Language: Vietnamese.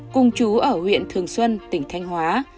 cùng chú ở huyện thường xuân tỉnh thanh hóa